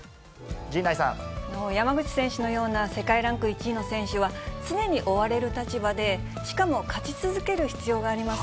山口選手のような世界ランク１位の選手は、常に追われる立場で、しかも勝ち続ける必要があります。